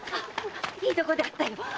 いいとこで会ったよ！